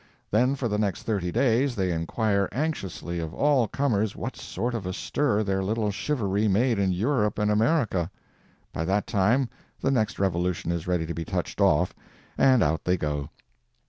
Then for the next thirty days they inquire anxiously of all comers what sort of a stir their little shivaree made in Europe and America! By that time the next revolution is ready to be touched off, and out they go.